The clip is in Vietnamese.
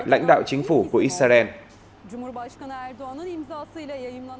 lãnh đạo chính phủ của israel